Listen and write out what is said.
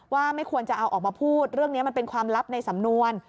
ว่าไม่ควรจะเอาออกมาพูดเรื่องนี้มันเป็นความลับในสำนวน